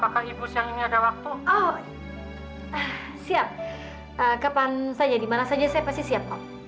kapan saja dimana saja saya pasti siap pak